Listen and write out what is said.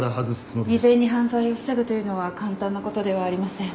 未然に犯罪を防ぐというのは簡単なことではありません。